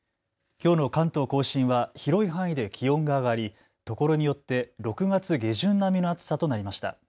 きょうの関東甲信は広い範囲で気温が上がり、ところによって６月下旬並みの暑さとなりました。